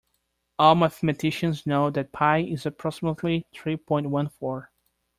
All mathematicians know that Pi is approximately three point one four